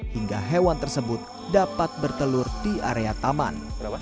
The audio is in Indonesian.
hingga hewan tersebut dapat bertelur di area taman